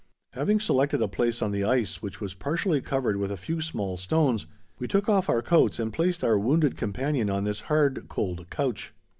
Having selected a place on the ice which was partially covered with a few small stones, we took off our coats and placed our wounded companion on this hard cold couch.